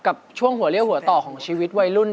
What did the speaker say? กับช่วงหัวเลี่ยวหัวต่อของชีวิตวัยรุ่น